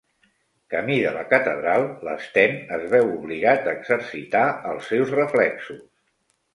Camí de la catedral, l'Sten es veu obligat a exercitar els seus reflexos.